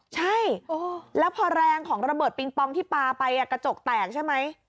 ใช่แล้วพอแรงของระเบิดปิงปองที่ปลาไปกระจกแตกใช่ไหม